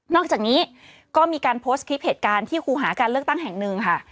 อกจากนี้ก็มีการโพสต์คลิปเหตุการณ์ที่ครูหาการเลือกตั้งแห่งหนึ่งค่ะ